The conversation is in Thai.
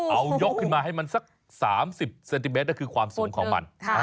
เอายกขึ้นมาให้มันสัก๓๐เซนติเมตรก็คือความสูงของมัน